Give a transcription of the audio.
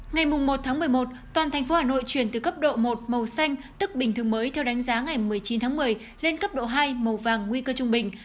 ngày một một mươi một toàn thành phố hà nội chuyển từ cấp độ một màu xanh tức bình thường mới theo đánh giá ngày một mươi chín tháng một mươi lên cấp độ hai màu vàng nguy cơ trung bình